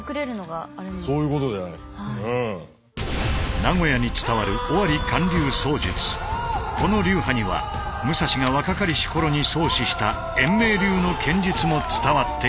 名古屋に伝わるこの流派には武蔵が若かりし頃に創始した円明流の剣術も伝わっている。